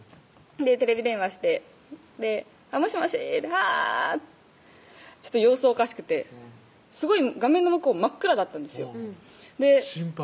テレビ電話して「もしもしわぁ」ちょっと様子おかしくてすごい画面の向こう真っ暗だったんですよ心配